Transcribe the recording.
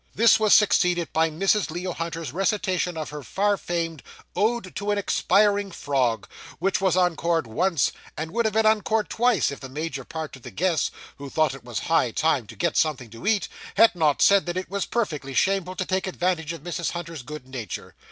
This was succeeded by Mrs. Leo Hunter's recitation of her far famed 'Ode to an Expiring Frog,' which was encored once, and would have been encored twice, if the major part of the guests, who thought it was high time to get something to eat, had not said that it was perfectly shameful to take advantage of Mrs. Hunter's good nature.